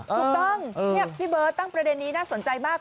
ถูกต้องพี่เบิร์ตตั้งประเด็นนี้น่าสนใจมาก